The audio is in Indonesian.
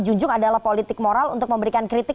junjung adalah politik moral untuk memberikan kritik